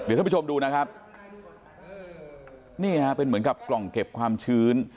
ท่านผู้ชมดูนะครับนี่ฮะเป็นเหมือนกับกล่องเก็บความชื้น